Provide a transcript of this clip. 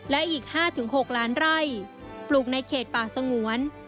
และอีก๕๖ล้านไร่ปลูกในเขตป่าสงวน